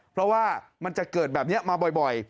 เพราะว่ามันจะเกิดแบบนี้มาบ่อย